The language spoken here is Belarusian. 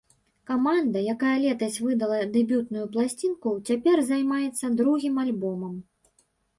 Каманда, якая летась выдала дэбютную пласцінку, цяпер займаецца другім альбомам.